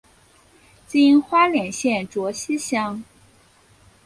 今花莲县卓溪乡。